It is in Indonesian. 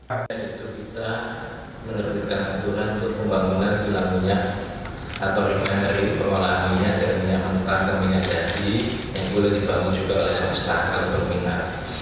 bbm juga dibangun oleh swasta karbon minyak